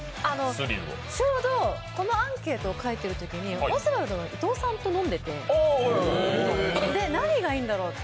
ちょうど、このアンケートを書いているときオズワルドの伊藤さんと飲んでいて、何がいいんだろうって